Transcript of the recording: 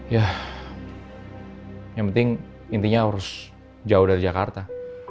ya yang penting intinya harus jauh dari jakarta